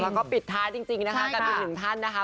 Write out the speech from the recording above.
แล้วก็ปิดท้ายจริงนะคะกับอีกหนึ่งท่านนะคะ